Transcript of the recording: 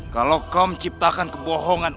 kalau kau menciptakan kebohongan